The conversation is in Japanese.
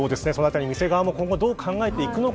店側も今後どう考えていくのか